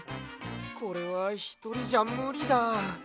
これはひとりじゃむりだ。